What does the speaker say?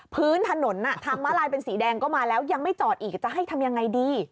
พื้นถนนทางม้าลายเป็นสีแดงก็มาแล้วยังไม่จอดอีกจะให้ทำยังไงดี